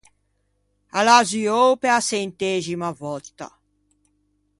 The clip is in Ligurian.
A l’à zuou pe-a çentexima vòtta.